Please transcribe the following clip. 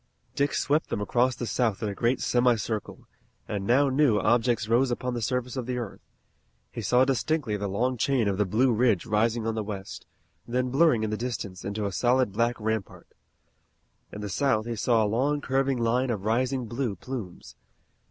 Dick swept them across the South in a great semi circle, and now new objects rose upon the surface of the earth. He saw distinctly the long chain of the Blue Ridge rising on the west, then blurring in the distance into a solid black rampart. In the south he saw a long curving line of rising blue plumes.